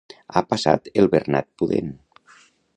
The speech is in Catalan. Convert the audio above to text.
Ha passat el bernat pudent.